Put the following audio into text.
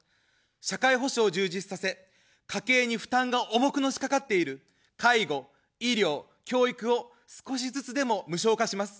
社会保障を充実させ、家計に負担が重くのしかかっている介護、医療、教育を少しずつでも無償化します。